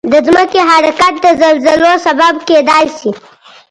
د ځمکې حرکت د زلزلو سبب کېدای شي.